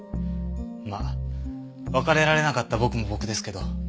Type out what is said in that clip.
まあ別れられなかった僕も僕ですけど。